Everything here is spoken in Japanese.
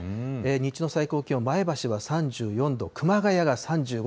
日中の最高気温、前橋は３４度、熊谷が３５度。